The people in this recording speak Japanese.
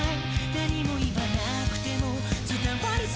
「何も言わなくても伝わりそうだから」